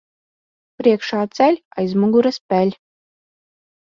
Priekšā ceļ, aiz muguras peļ.